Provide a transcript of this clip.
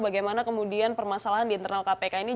bagaimana kemudian permasalahan di internal kpk ini